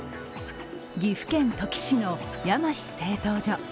岐阜県土岐市の山志製陶所。